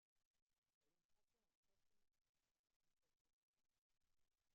El impacto en el customer satisfaction es positivo.